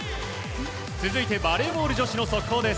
続いてバレーボール女子の速報です。